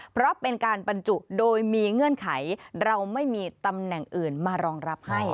เพราะเป็นการบรรจุโดยมีเงื่อนไขเราไม่มีตำแหน่งอื่นมารองรับให้